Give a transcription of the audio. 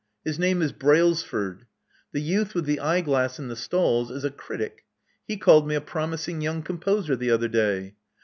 His name is Brailsford. The youth with the eye glass in the stalls is a critic : he called me a promising young com poser the other day.